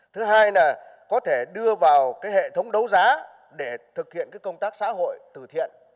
thứ hai là có thể đưa vào hệ thống đấu giá để thực hiện công tác xã hội từ thiện